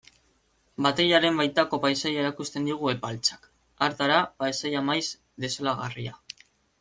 Batailaren baitako paisaia erakusten digu Epaltzak, hartara, paisaia maiz desolagarria.